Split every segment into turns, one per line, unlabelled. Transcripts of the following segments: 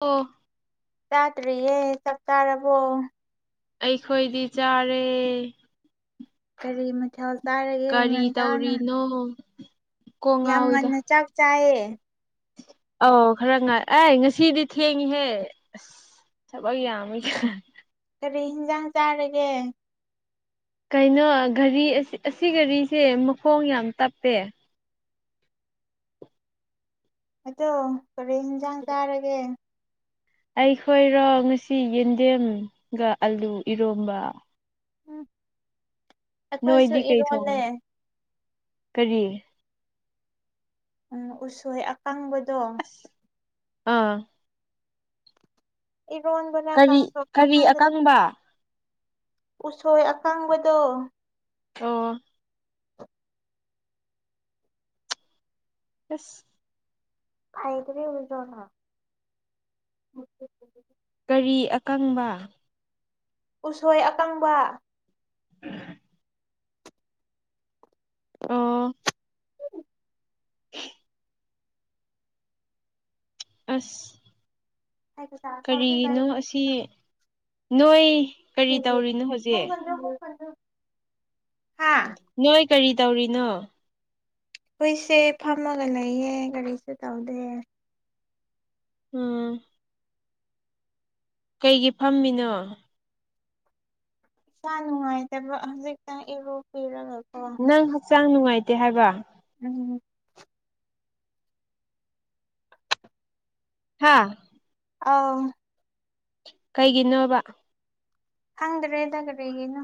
ꯑꯣ
ꯆꯥꯗ꯭ꯔꯤꯌꯦ ꯆꯞ ꯆꯥꯔꯕꯣ
ꯑꯩꯈꯣꯏꯗꯤ ꯆꯥꯔꯦ
ꯀꯔꯤ ꯃꯊꯥꯎ ꯆꯥꯔꯒꯦ ꯉꯟꯇꯥꯅ
ꯑꯣ
ꯌꯥꯝ ꯉꯟꯅ ꯆꯥꯛ ꯆꯥꯏꯌꯦ
ꯑꯧ ꯈꯔ ꯉꯥꯏ ꯑꯩ ꯉꯁꯤꯗꯤ ꯊꯦꯡꯉꯍꯦ ꯑꯁ ꯊꯕꯛ ꯌꯥꯝꯃꯤ
ꯀꯔꯤ ꯍꯤꯟꯖꯥꯡ ꯆꯥꯔꯒꯦ
ꯀꯩꯅꯣ ꯒꯥꯔꯤ ꯑꯁꯤ ꯘꯔꯤꯁꯦ ꯃꯈꯣꯡ ꯌꯥꯝ ꯇꯞꯄꯦ
ꯑꯗꯣ ꯀꯔꯤ ꯌꯦꯟꯖꯥꯡ ꯆꯥꯔꯒꯦ
ꯑꯩꯈꯣꯏꯔꯣ ꯉꯁꯤ ꯌꯦꯟꯗꯦꯝꯒ ꯑꯂꯨ ꯏꯔꯣꯝꯕ
ꯎꯝ ꯑꯩꯈꯣꯏꯁꯨ
ꯅꯣꯏꯗꯤ ꯀꯩ
ꯏꯔꯣꯜꯂꯦ
ꯊꯣꯡꯉꯦ ꯀꯔꯤ
ꯎꯝ ꯎꯁꯣꯏ ꯑꯀꯪꯕꯗꯣ
ꯑꯥ
ꯏꯔꯣꯟꯕꯂ ꯀ ꯁꯣ ꯁꯥꯡꯗ
ꯍꯕ [inaudible]
ꯎꯁꯣꯏ ꯑꯀꯥꯡꯕꯗꯣ
ꯑꯣ ꯑꯁ [inaudible]
ꯈꯥꯏꯗꯔꯤ ꯎꯖꯅ [inaudible] ꯎ [inaudible]
ꯀꯔꯤ ꯑꯀꯪꯕ
ꯎꯁꯣꯏ ꯑꯀꯪꯕ
ꯎꯝ [inaudible] ꯑꯣ ꯑꯦ [inaudible] ꯑꯁ ꯀꯔꯤꯒꯤꯅꯣ ꯑꯁꯤ ꯅꯣꯏ ꯀꯔꯤ ꯇꯧꯔꯤꯅꯣ ꯍꯧꯖꯤꯛ
[inaudible] ꯍꯥꯥ
ꯅꯣꯏ ꯀꯔꯤ ꯇꯧꯔꯤꯅꯣ
ꯍꯣꯏꯁꯦ ꯐꯝꯃꯒ ꯂꯩꯌꯦ ꯀꯔꯤꯁꯨ ꯇꯧꯗꯦ
ꯎꯝ ꯀꯩꯒꯤ ꯐꯝꯃꯤꯅꯣ
ꯏꯁꯥ ꯅꯨꯡꯉꯥꯏꯇꯕ ꯍꯧꯖꯤꯛꯇ ꯏꯔꯣꯛꯄꯤꯔꯒꯀꯣ
ꯅꯪ ꯍꯛꯆꯥꯡ ꯅꯨꯡꯉꯥꯏꯇꯦ ꯍꯥꯏꯕ
ꯎꯝꯝ
ꯍꯥꯥ
ꯑꯥꯎ
ꯀꯩꯒꯤꯅꯣꯕ
ꯍꯪꯗ꯭ꯔꯦꯗ ꯀꯔꯤꯒꯤꯅꯣ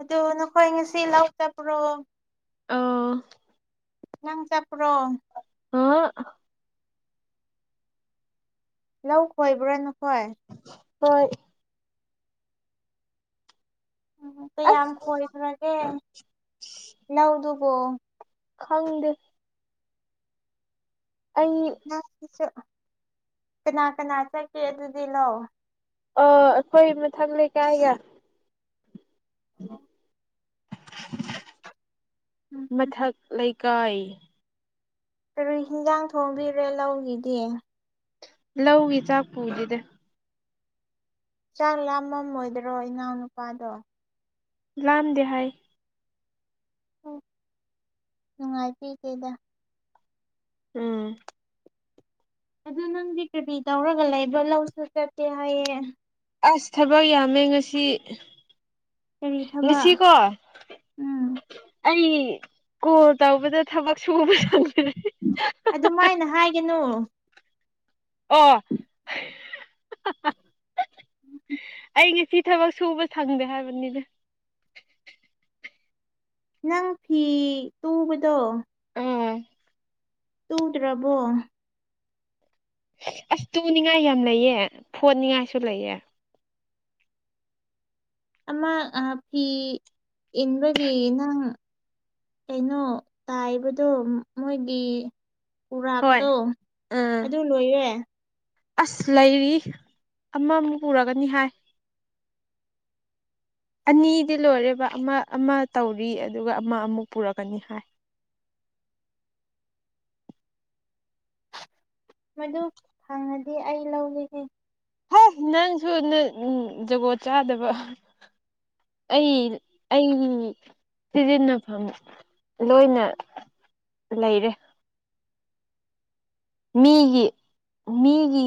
ꯑꯗꯣ ꯅꯈꯣꯏ ꯉꯁꯤ ꯂꯧꯇꯕ꯭ꯔꯣ
ꯑꯥꯎ
ꯅꯪ ꯆꯠꯄꯔꯣ
ꯑꯥ
ꯂꯧ ꯈꯣꯏꯕ꯭ꯔꯥ ꯅꯈꯣꯏ
ꯍꯣꯏ
ꯎꯝ ꯀꯌꯥꯝ
ꯑꯁ
ꯈꯣꯏꯈ꯭ꯔꯒꯦ ꯂꯧꯗꯨꯕꯣ
ꯈꯪꯗꯦ ꯑꯩ
ꯀꯅꯥ ꯀꯅꯥ ꯆꯠꯀꯦ ꯑꯗꯨꯗꯤ ꯂꯥꯛꯑꯣ
ꯑ ꯑꯩꯈꯣꯏ ꯃꯊꯪ ꯂꯩꯀꯥꯏꯒ
ꯑꯣ ꯎꯝ
ꯃꯊꯛ ꯂꯩꯀꯥꯏ
ꯀꯔꯤ ꯌꯦꯟꯖꯥꯡ ꯊꯣꯡꯂꯤꯕꯔꯥ ꯂꯧꯒꯤꯗꯤ
ꯂꯧꯒꯤ ꯆꯥꯛ ꯄꯨꯗꯦꯗ
ꯆꯥꯛ ꯂꯥꯝꯃꯝꯃꯣꯏꯗ꯭ꯔꯣ ꯏꯅꯥꯎꯅꯨꯄꯥꯗꯣ
ꯂꯝꯗꯦꯍꯥꯏ
ꯑꯣ ꯅꯨꯡꯉꯥꯏꯕꯤ ꯗꯦꯗ
ꯎꯝ
ꯑꯗꯨ ꯅꯪ ꯗꯤ ꯀꯔꯤꯇꯤ ꯇꯧꯔꯒ ꯂꯩꯕ꯭ꯔꯣ ꯂꯧꯁꯨ ꯆꯠꯇꯦ ꯍꯥꯏꯌꯦ
ꯑꯁ ꯊꯕꯛ ꯌꯥꯝꯃꯦ ꯉꯁꯤ
ꯀꯔꯤ ꯊꯕꯛ
ꯉꯁꯤꯀꯣ
ꯎꯝ
ꯑꯩ ꯀꯣꯜ ꯇꯧꯕꯗ ꯊꯕꯛ ꯁꯨꯕ ꯁꯪ
ꯑꯗꯨꯃꯥꯏꯅ ꯍꯥꯏꯒꯅꯣ
ꯑꯣ
ꯎꯝ ꯎ
ꯑꯩ ꯉꯁꯤ ꯊꯕꯛ ꯁꯨꯕ ꯁꯪꯗꯦ ꯍꯥꯏꯕꯅꯤꯗ
ꯅꯪ ꯐꯤ ꯇꯨꯕꯗꯣ
ꯎꯝ
ꯇꯨꯗ꯭ꯔꯕꯣ
ꯑꯁ ꯇꯨꯅꯤꯡꯉꯥꯏ ꯌꯥꯝ ꯂꯩꯌꯦ ꯐꯣꯠꯅꯤꯡꯉꯥꯏꯁꯨ ꯂꯩꯌꯦ
ꯑꯃ ꯐꯤ ꯏꯟꯕꯒꯤ ꯅꯪ ꯀꯩꯅꯣ ꯇꯥꯏꯕꯗꯣ ꯃꯣꯏꯒꯤ
ꯍꯣꯏ
ꯎꯔꯥꯛꯇꯣ
ꯎꯝ
ꯑꯗꯨ ꯂꯣꯏꯔꯦ
ꯑꯁ ꯂꯩꯔꯤ ꯑꯃꯃꯨꯛ ꯄꯨꯔꯒꯅꯤ ꯍꯥꯏ [unintelligible] ꯑꯅꯤꯗꯤ ꯂꯣꯏꯔꯦꯕ ꯑꯃ ꯑꯃ ꯇꯧꯔꯤ ꯑꯗꯨꯒ ꯑꯃ ꯑꯃꯨꯛ ꯄꯨꯔꯛꯀꯅꯤ ꯍꯥꯏ
ꯃꯗꯨ ꯐꯪꯉꯗꯤ ꯑꯩ ꯂꯧꯈꯤꯅꯤ
ꯍ ꯅꯪꯁꯨ ꯖꯒꯣꯠ ꯆꯥꯗꯕ ꯑꯩ ꯑꯩ ꯁꯤꯖꯤꯟꯅꯐꯝ ꯂꯣꯏꯅ ꯂꯩꯔꯦ ꯃꯤꯒꯤ ꯃꯤꯒꯤ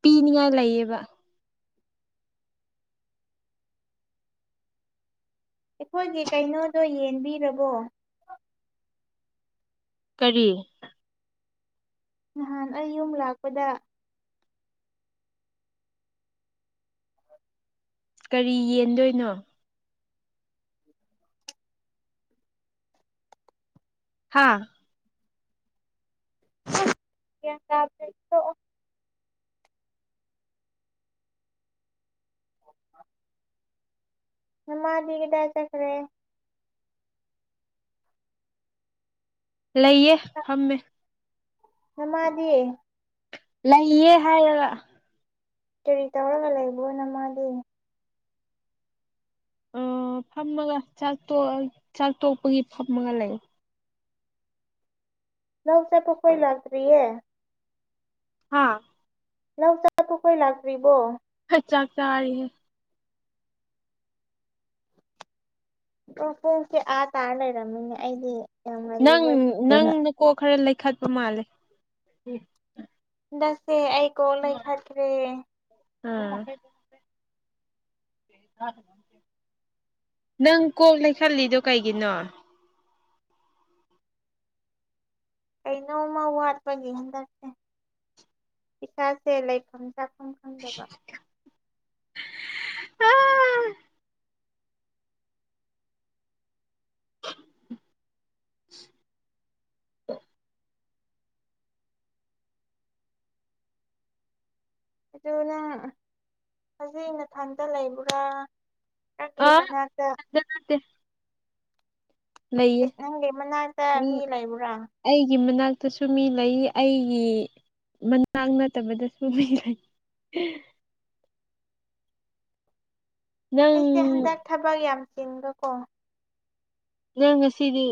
ꯄꯤꯅꯤꯡꯉꯥꯏ ꯂꯩꯌꯦꯕ
ꯑꯩꯈꯣꯏꯒꯤ ꯀꯩꯅꯣꯗꯣ ꯌꯦꯟꯕꯤꯔꯕꯣ
ꯀꯔꯤ
ꯅꯍꯥꯟ ꯑꯩ ꯌꯨꯝ ꯂꯥꯛꯄꯗ
ꯀꯔꯤ ꯌꯦꯟꯗꯣꯏꯅꯣ ꯍꯥꯥ
ꯒꯌ꯭ꯥꯟ ꯇꯥ ꯗꯔ ꯗꯤ ꯇꯣꯛ ꯑꯣ ꯑꯣ [unintelligible] ꯅꯥ ꯃꯥ ꯗꯤ ꯀꯗꯥꯏ ꯆꯈ꯭ꯔꯦ
ꯂꯩꯌꯦ ꯐꯝꯃꯦ
ꯅꯥꯃꯗꯤ
ꯂꯩ ꯑꯦ ꯍꯥꯏꯔꯒꯥ
ꯀꯔꯤ ꯇꯧꯔꯒ ꯂꯩꯕꯣꯅ ꯃꯥꯗꯤ
ꯐꯝꯃꯒ ꯆꯥꯛ ꯆꯥꯛ ꯇꯣꯛꯄꯒꯤ ꯐꯝꯃꯒ ꯂꯩ
ꯂꯧ ꯆꯄ ꯀꯣꯏ ꯂꯥꯛꯇ꯭ꯔꯤꯌꯦ
ꯍꯥꯥ
ꯂꯧ ꯆꯠꯄ ꯀꯣꯏ ꯂꯥꯛꯇ꯭ꯔꯤꯕꯣ
ꯈ ꯆꯥꯛ ꯆꯔꯤ ꯍ
ꯄꯨꯡꯁꯦ ꯑꯥ ꯇꯥꯔ ꯂꯩꯔꯝꯃꯤꯅꯦ ꯑꯩꯗꯤ ꯌꯥꯝ
ꯅꯪ
ꯉꯜꯂꯤꯕꯣꯏ
ꯅꯪ
ꯐꯖꯅ
ꯅꯀꯣ ꯈꯔ ꯂꯩꯈꯠꯄ ꯃꯥꯜꯂꯦ
ꯍꯟꯗꯁꯦ ꯑꯩ ꯀꯣ ꯂꯩꯈꯈ꯭ꯔꯦ [unintelligible]
ꯎꯝ ꯅꯪ ꯀꯣꯛ ꯂꯩꯈꯂꯤꯗꯣ ꯀꯩꯒꯤꯅꯣ
ꯀꯩꯅꯣꯝꯃ ꯋꯥꯠꯄꯒꯤ ꯍꯟꯗꯛꯁꯦ ꯏꯁꯥꯁꯦ ꯂꯩꯐꯝ ꯆꯥꯐꯝ ꯈꯪꯗꯕ
ꯎꯝ [unintelligible]
ꯑꯗꯨ ꯅꯪ ꯍꯧꯖꯤꯛ ꯅꯊꯟꯇ ꯂꯩꯕ꯭ꯔꯥ ꯅꯪꯒꯤ ꯃꯅꯛꯇꯥ
ꯌꯥꯠꯇꯦ [inaudible]
ꯅꯪꯒꯤ ꯃꯅꯥꯛꯇ ꯃꯤ ꯂꯩꯕ꯭ꯔꯥ
ꯑꯩꯒꯤ ꯃꯅꯥꯛꯇꯁꯨ ꯃꯤ ꯂꯩ ꯑꯩꯒꯤ ꯃꯅꯥꯛ ꯅꯠꯇꯕꯗꯁꯨ ꯃꯩ ꯂꯩ ꯅꯪ
ꯑꯩꯁꯦ ꯍꯟꯗꯛ ꯊꯕꯛ ꯌꯥꯝ ꯆꯤꯟꯕꯀꯣ
ꯅꯉ ꯁꯤꯗꯤ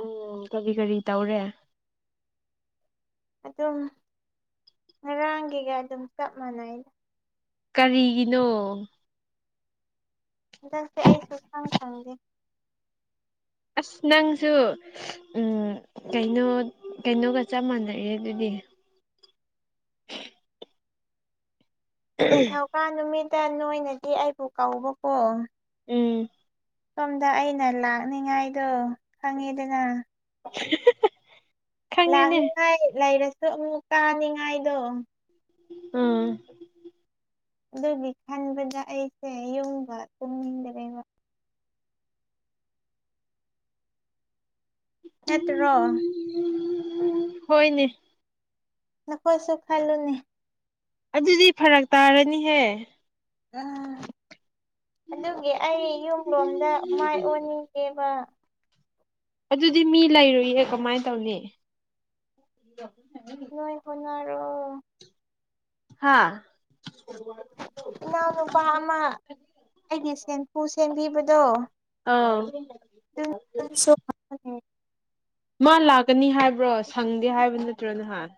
ꯎꯝ ꯀꯔꯤ ꯀꯔꯤ ꯇꯧꯔꯦ
ꯑꯗꯨꯝ ꯉꯔꯥꯡꯒꯤꯒ ꯑꯗꯨꯝ ꯆꯞ ꯃꯥꯟꯅꯩꯅ
ꯀꯔꯤꯒꯤꯅꯣ
ꯍꯟꯗꯛꯁꯦ ꯑꯩ ꯁꯨꯛꯁꯪ ꯁꯪꯗꯦ
ꯑꯁ ꯅꯪꯁꯨ ꯎꯝ ꯀꯩꯅꯣ ꯀꯩꯅꯣꯒ ꯆꯞ ꯃꯥꯟꯅꯩꯑꯦ ꯑꯗꯨꯗꯤ
ꯅꯤꯡꯊꯧꯀꯥ ꯅꯨꯃꯤꯠꯇ ꯅꯣꯏꯅꯗꯤ ꯑꯩꯕꯨ ꯀꯧꯕꯀꯣ
ꯎꯝ
ꯁꯣꯝꯗ ꯑꯩꯅ ꯂꯥꯛꯅꯤꯉꯥꯏꯗꯣ ꯈꯪꯉꯤꯗꯅ
ꯈꯪꯉꯦꯅꯦ
ꯂꯥꯛꯅꯤꯉꯥꯏ ꯂꯩꯔꯁꯨ ꯑꯃꯨꯛ ꯇꯥꯅꯤꯡꯉꯥꯏꯗꯣ
ꯎꯝ
ꯑꯗꯨꯒꯤ ꯈꯟꯕꯗ ꯑꯩꯁꯦ ꯌꯨꯝꯕ ꯇꯨꯝꯅꯤꯡꯗ꯭ꯔꯦꯕ ꯅꯠꯇ꯭ꯔꯣ
ꯍꯣꯏꯅꯦ
ꯅꯈꯣꯏꯁꯨ ꯈꯜꯂꯨꯅꯦ
ꯑꯗꯨꯗꯤ ꯐꯔꯛ ꯇꯥꯔꯅꯤꯍꯦ
ꯎꯝ ꯑꯗꯨꯒꯤ ꯑꯩ ꯌꯨꯝ ꯂꯣꯝꯗ ꯃꯥꯏ ꯑꯣꯟꯅꯤꯡꯒꯦꯕ
ꯑꯗꯨꯗꯤ ꯃꯤ ꯂꯩꯔꯨꯏꯌꯦ ꯀꯃꯥꯏꯅ ꯇꯧꯅꯤ [inaudible]
ꯅꯣꯏ ꯍꯣꯠꯅꯔꯣ
ꯍꯥꯥ
ꯏꯅꯥꯎꯅꯨꯄꯥ ꯑꯃ ꯑꯩꯒꯤ ꯁꯦꯝꯐꯨ ꯁꯦꯝꯕꯤꯕꯗꯣ
ꯑꯥ
ꯑꯗꯨꯁꯨ
ꯃꯥ ꯂꯥꯛꯀꯅꯤ ꯍꯥꯏꯕ꯭ꯔꯣ ꯁꯪꯗꯦ ꯍꯥꯏꯕ ꯅꯠꯇ꯭ꯔꯣ ꯅꯍꯥꯟ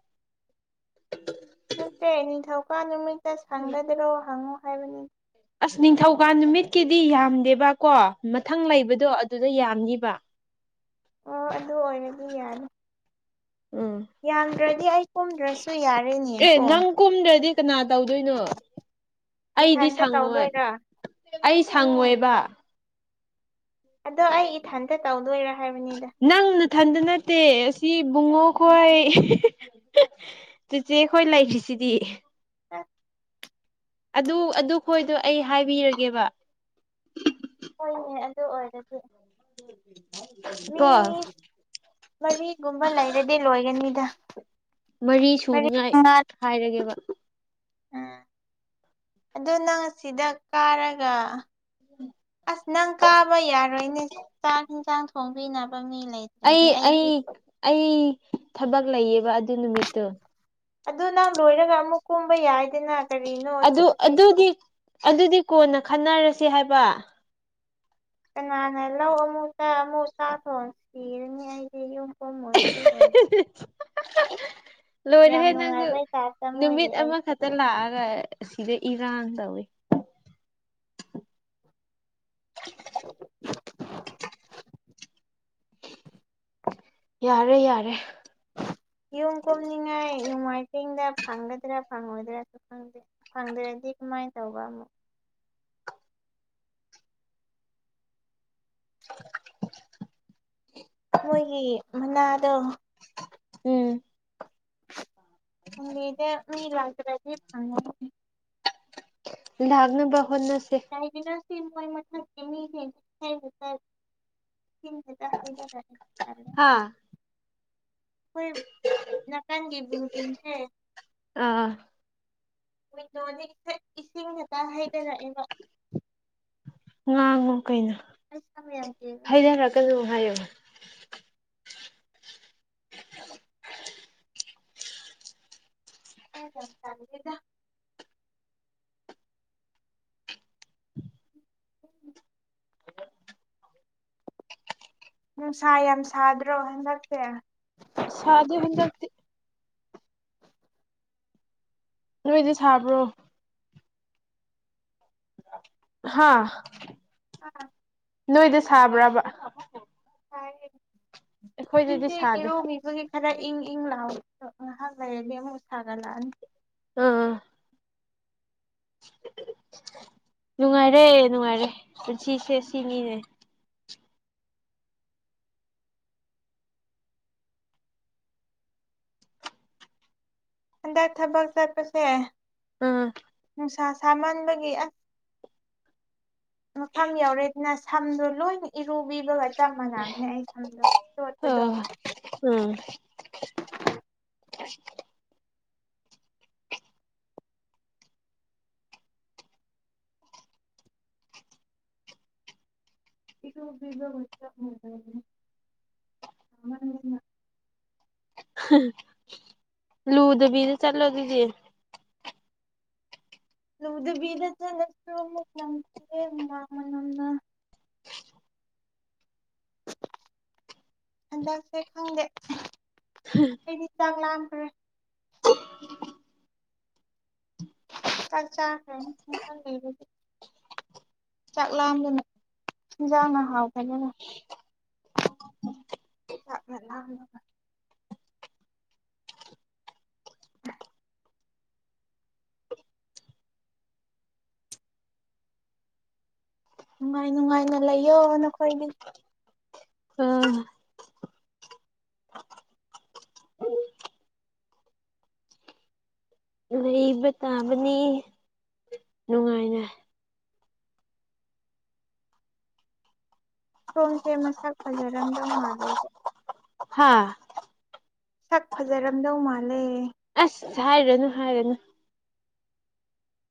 ꯅꯠꯇꯦ ꯅꯤꯡꯊꯧꯀꯥ ꯅꯨꯃꯤꯠꯇ ꯁꯪꯒꯗ꯭ꯔꯣ ꯍꯪꯉꯣ ꯍꯥꯏꯕꯅꯤ
ꯑꯁ ꯅꯤꯡꯊꯧꯀꯥꯟ ꯅꯨꯃꯤꯠꯀꯤꯗꯤ ꯌꯥꯝꯗꯦꯕꯀꯣ ꯃꯊꯪ ꯂꯩꯕꯗꯣ ꯑꯗꯨꯗ ꯌꯥꯝꯅꯤꯕ
ꯑꯣ ꯑꯗꯨ ꯑꯣꯏꯅꯗꯤ ꯌꯥꯅꯤ
ꯎꯝ
ꯌꯥꯝꯗ꯭ꯔꯗꯤ ꯑꯩ ꯀꯨꯝꯗ꯭ꯔꯁꯨ ꯌꯥꯔꯦꯅꯦ
ꯑꯦ
ꯀꯣ
ꯅꯪ ꯀꯨꯝꯗ꯭ꯔꯗꯤ ꯀꯅꯥ ꯇꯧꯗꯣꯏꯅꯣ ꯑꯩꯗꯤ
ꯏꯊꯟꯇ
ꯁꯪꯉꯣꯏ
ꯇꯧꯗꯣꯏꯔꯥ
ꯑꯩ ꯁꯪꯉꯣꯏꯕ
ꯑꯗꯣ ꯑꯩ ꯏꯊꯟꯇ ꯇꯧꯗꯣꯏꯔ ꯍꯥꯏꯕꯅꯤꯗ
ꯅꯪꯅꯊꯟꯗ ꯅꯠꯇꯦ ꯑꯁꯤꯕꯨꯡꯉꯣꯈꯣꯏ ꯆꯆꯦ ꯑꯩꯈꯣꯏ ꯂꯩꯔꯤ꯭ꯔꯤꯁꯤꯗꯤ
ꯑꯥ [inaudible]
ꯑꯗꯨ ꯑꯗꯨ ꯈꯣꯏꯗꯣ ꯑꯩ ꯍꯥꯏꯕꯤꯔꯒꯦꯕ
ꯍꯣꯏꯅꯦ ꯑꯗꯨ ꯑꯣꯏꯔꯗꯤ ꯃꯤ
ꯀꯣ
ꯃꯔꯤꯒꯨꯝꯕ ꯂꯩꯔꯗꯤ ꯂꯣꯏꯒꯅꯤꯗ
ꯃꯔꯤ ꯁꯨꯅꯤꯉꯥꯏ ꯍꯥꯏꯔꯒꯦꯕ
ꯑꯥꯝ ꯑꯗꯨ ꯅꯪ ꯑꯁꯤꯗ ꯀꯥꯔꯒ ꯑꯁ ꯅꯪ ꯀꯥꯕ ꯌꯥꯔꯣꯏꯅꯦ ꯆꯥꯛ ꯌꯦꯟꯁꯥꯡ ꯊꯣꯡꯕꯤꯅꯕ ꯃꯤ ꯂꯩ
ꯑꯩ ꯑꯩ ꯑꯩ ꯊꯕꯛ ꯂꯩꯌꯦꯕ ꯑꯗꯨ ꯅꯨꯃꯤꯠꯇꯨ
ꯑꯗꯨ ꯅꯪ ꯂꯣꯏꯔꯒ ꯑꯃꯨꯛ ꯀꯨꯝꯕ ꯌꯥꯏꯗꯅ ꯀꯔꯤꯅꯣ
ꯑꯗꯨ
ꯁꯤꯅꯨꯄꯤꯁꯨ
ꯑꯗꯨꯗꯤ ꯑꯗꯨꯗꯤ ꯀꯣꯟꯅ ꯈꯟꯅꯔꯁꯦ ꯍꯥꯏꯕ
ꯀꯅꯥꯅ ꯂꯧ ꯑꯃꯨꯛꯇ ꯑꯃꯨꯛ ꯊꯥ ꯇꯧꯔꯁꯤ ꯑꯩꯗꯤ ꯌꯨꯝ ꯀꯨꯃꯣꯏ ꯑꯗꯨ ꯑꯣꯏ
ꯂꯣꯏꯔꯦꯍꯦ ꯅꯪꯁꯨ
ꯅꯨꯡꯉꯥꯏꯕꯩ ꯇꯥꯏꯞꯇ ꯃꯣꯏꯒꯤ
ꯅꯨꯃꯤꯠ
ꯑꯩꯁꯦ
ꯑꯃꯈꯛꯇ ꯂꯥꯛꯑꯒ ꯑꯁꯤꯗ ꯏꯔꯥꯡ ꯇꯧꯏ
[inaudible]
ꯌꯥꯔꯦ ꯌꯥꯔꯦ
ꯌꯨꯝ ꯀꯨꯝꯅꯤꯡꯉꯥꯏ ꯅꯣꯡꯃꯥꯏꯖꯤꯡꯗ ꯐꯪꯒꯗ꯭ꯔꯥ ꯐꯪꯉꯣꯏꯗ꯭ꯔꯥꯁꯨ ꯈꯪꯗꯦ ꯐꯪꯗ꯭ꯔꯗꯤ ꯀꯃꯥꯏ ꯇꯧꯕ ꯑꯃꯨꯛ
[inaudible]
ꯃꯣꯏꯒꯤ ꯃꯅꯥꯗꯣ
ꯎꯝ
ꯁꯟꯗꯦꯗ ꯃꯤ ꯂꯥꯛꯇ꯭ꯔꯗꯤ ꯐꯪꯉꯔꫭꯏꯅꯦ
ꯂꯥꯛꯅꯕ ꯍꯣꯠꯅꯁꯦ
ꯀꯩꯒꯤ ꯁꯤ ꯅꯣꯏ ꯃꯊꯛꯀꯤ ꯃꯤꯁꯤ [unintelligible] [unintelligible]
ꯍꯥꯥ
ꯑꯩꯈꯣꯏ ꯅꯀꯥꯟꯒꯤ ꯕꯤꯜꯗꯤꯡꯁꯦ
ꯑꯥ
[unintelligible] ꯏꯁꯤꯡ ꯍꯦꯛꯇ ꯍꯩꯗꯔꯛꯑꯦꯕ
ꯉꯥꯡꯉꯣ ꯀꯩꯅꯣ
ꯑꯁ ꯑꯃ ꯌꯥꯝ ꯀꯦꯜꯂꯦ ꯍꯟꯗꯛ
ꯍꯩꯗꯔꯛꯀꯅꯨ ꯍꯥꯏꯌꯣ [inaudible]
ꯈꯪꯗꯦ ꯇꯜꯂꯤꯗ
[inaudible]
ꯅꯨꯡꯁꯥ ꯌꯥꯝ ꯁꯥꯗ꯭ꯔꯣ ꯍꯟꯗꯛꯁꯦ
ꯁꯥꯗꯦ ꯍꯟꯗꯛꯇꯤ ꯅꯣꯏꯗꯤ ꯁꯥꯕ꯭ꯔꯣ ꯍꯥꯥ
ꯑꯥ
ꯅꯣꯏꯗ ꯁꯥꯕ꯭ꯔꯕ
ꯁꯥꯏꯅꫠ
ꯑꯩꯈꯣꯏꯗꯗꯤ
ꯍꯧꯖꯤꯛꯇꯤ
ꯁꯥꯗꯦ
ꯏꯔꯨꯒꯤꯕꯒꯤ ꯈꯔ ꯏꯪ ꯏꯪ ꯂꯥꯎꯋꯤ ꯉꯥꯍꯥꯛ ꯂꯩꯔꯗꯤ ꯑꯃꯨꯛ ꯁꯥꯒꯠꯂꯛꯑꯅꯤ
ꯎꯝ ꯎꯝ ꯅꯨꯡꯉꯥꯏꯔꯦ ꯅꯨꯡꯉꯥꯏꯔꯦ ꯄꯨꯟꯁꯤꯁꯦ ꯁꯤꯅꯤꯅꯦ
ꯍꯟꯗꯛ ꯊꯕꯛ ꯆꯠꯄꯁꯦ
ꯑꯥ
ꯅꯨꯡꯁꯥ ꯁꯥꯃꯥꯟꯕꯒꯤ ꯑꯥ ꯃꯐꯝ ꯌꯧꯔꯦꯗꯅ ꯁꯝꯗꯣ ꯂꯣꯏꯅ ꯏꯔꯨꯕꯤꯕꯒ ꯆꯞ ꯃꯥꯟꯅꯈꯔꯦ ꯑꯩ ꯁꯝꯗꯣ ꯆꫭꯠꯄꯗꯣ
ꯑꯥ ꯎꯝ
ꯏꯕꯤꯕꯃ [unintelligible]
ꯂꯨꯗꯕꯤꯗ ꯆꯂꯣ ꯑꯗꯨꯗꯤ
ꯂꯨꯗꯕꯤꯗ ꯆꯠꯂꯁꯨ ꯑꯃꯨꯛ ꯅꯪꯊꯤꯋꯦ ꯍꯨꯃꯥꯡ ꯃꯅꯝꯅ
[inaudible]
ꯍꯟꯗꯛꯁꯦ ꯈꯪꯗꯦ ꯑꯩꯗꯤ ꯆꯥꯛ ꯂꯥꯝꯈ꯭ꯔꯦ ꯆꯥꯛ ꯆꯥꯈꯔꯝꯅꯦ ꯈꯪꯗꯦ ꯑꯗꯨꯗꯤ ꯆꯥꯛ ꯂꯥꯝꯗꯅ ꯏꯟꯖꯥꯡꯅ ꯍꯥꯎꯈꯔꯦꯗꯅ ꯆꯥꯛꯅ ꯂꯥꯝꯃꯤꯕ [inaudible] ꯅꯨꯡꯉꯥꯏ ꯅꯨꯡꯉꯥꯏꯅ ꯂꯩꯌꯣ ꯅꯈꯣꯏꯒꯤ
[unintelligible] ꯂꯩꯕ ꯇꯥꯕꯅꯤ ꯅꯨꯡꯉꯥꯏꯅ
ꯁꯣꯝꯁꯦ ꯃꯁꯛ ꯐꯖꯔꯝꯗꯧ ꯃꯥꯜꯂꯦꯕꯣ
ꯍꯥꯥ
ꯁꯛ ꯐꯖꯔꯝꯗꯧ ꯃꯥꯜꯂꯦ
ꯢꯁ ꯍꯥꯏꯔꯅꯨ ꯍꯥꯏꯔꯅꯨ